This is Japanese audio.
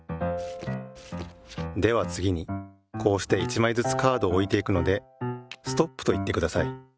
ではつぎにこうして１まいずつカードをおいていくので「ストップ」といってください。